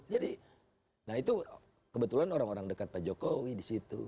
jadi nah itu kebetulan orang orang dekat pak jokowi di situ